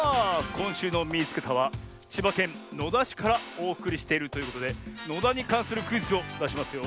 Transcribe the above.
こんしゅうの「みいつけた！」はちばけんのだしからおおくりしているということでのだにかんするクイズをだしますよ。